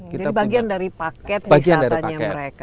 jadi bagian dari paket wisatanya mereka